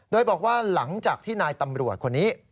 โดยบอกว่าหลังจากที่นายตำรวจคนนี้